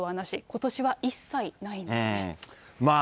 ことしは一切ないんですね。